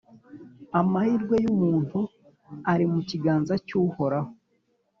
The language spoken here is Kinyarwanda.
Amahirwe y’umuntu ari mu kiganza cy’Uhoraho,